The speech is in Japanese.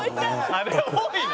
「あれ多いの？」